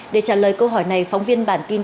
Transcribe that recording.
để trả lời câu hỏi này phóng viên bản tin